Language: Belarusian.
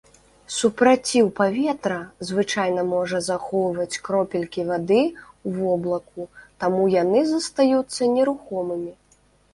Супраціў паветра звычайна можа захоўваць кропелькі вады ў воблаку, таму яны застаюцца нерухомымі.